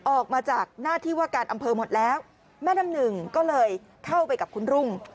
ออกมาจากหน้าที่ว่าการอำเภอหมดแล้วแม่น้ำหนึ่งก็เลยเข้าไปกับคุณรุ่ง